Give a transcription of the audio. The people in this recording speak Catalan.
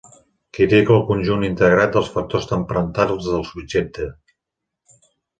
Critique el conjunt integrat dels factors temperamentals del subjecte.